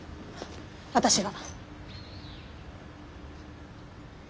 私が。